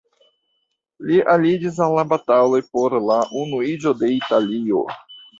Li aliĝis al la bataloj por la unuiĝo de Italio.